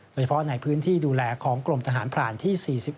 โดยเฉพาะในพื้นที่ดูแลของกรมทหารพรานที่๔๑